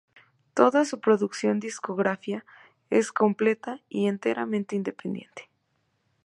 Toda su producción discografía, es completa y enteramente independiente.